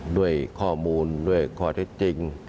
ด้วยข้อมูลด้วยข้อเท็จจริง